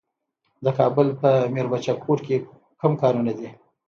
د کابل په میربچه کوټ کې کوم کانونه دي؟